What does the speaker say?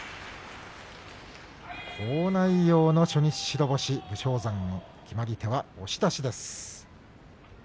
好内容の初日白星武将山、決まり手は押し出しです。